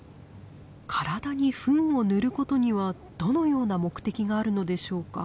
体にフンを塗ることにはどのような目的があるのでしょうか。